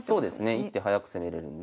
１手早く攻めれるんで。